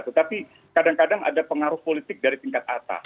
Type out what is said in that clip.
tetapi kadang kadang ada pengaruh politik dari tingkat atas